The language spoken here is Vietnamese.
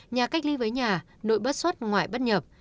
nhà cách ly với nhà nội bất xuất ngoại bất nhập